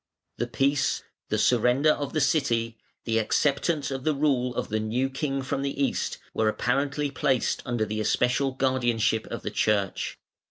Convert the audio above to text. The peace, the surrender of the city, the acceptance of the rule of "the new King from the East", were apparently placed under the especial guardianship of the Church.